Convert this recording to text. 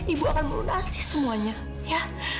ibu akan melunasi semuanya ya